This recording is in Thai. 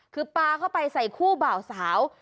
คือปลาเข้าไปใส่คู่บ่าวสาว